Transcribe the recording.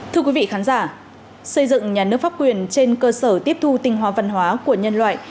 thưa quý vị khán giả xây dựng nhà nước pháp quyền trên cơ sở tiếp thu tinh hoa văn hóa của nhân loại